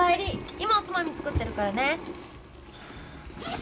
今おつまみ作ってるからね。